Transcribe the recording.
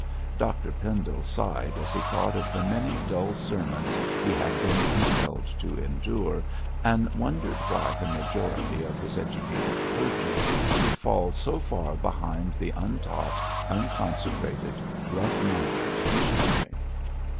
Dr Pendle sighed as he thought of the many dull sermons he had been compelled to endure, and wondered why the majority of his educated clergy should fall so far behind the untaught, unconsecrated, rough mannered missionary.